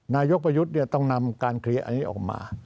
นายกประยุทธ์ต้องนำการเคลียร์อันนี้ออกมา